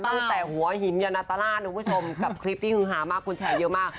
ตั้งแต่หัวหิมยาณตลาดทุกคุณผู้ชมกับคลิปที่หึงหามากคุณแฉะเยอะมาก